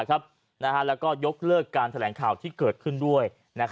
แล้วก็ยกเลิกการแถลงข่าวที่เกิดขึ้นด้วย